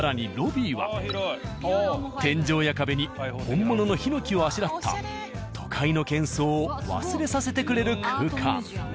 天井や壁に本物の檜をあしらった都会の喧騒を忘れさせてくれる空間。